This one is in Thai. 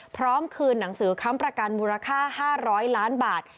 พร้อมคืนหนังสือค้ำประกันมูลค่า๕๐๐ล้านบาท